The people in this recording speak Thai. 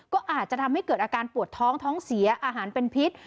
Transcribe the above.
ก็อาจจะทำให้เกิดอาการปวดท้องท้องเสียอาหารเป็นพิษ